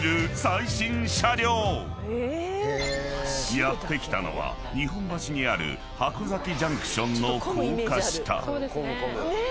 ［やって来たのは日本橋にある箱崎ジャンクションの高架下］